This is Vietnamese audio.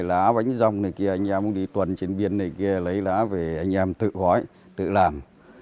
lá bánh rong này kia anh em cũng đi tuần trên biên này kia lấy lá về anh em tự hỏi tự làm